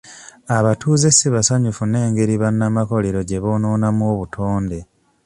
Abatuuze si basanyufu n'engeri bannamakolero gye boonoonamu obutonde.